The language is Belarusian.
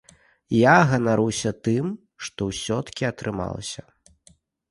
Я ганаруся тым, што ўсё-ткі атрымалася.